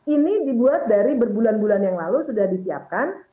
ini dibuat dari berbulan bulan yang lalu sudah disiapkan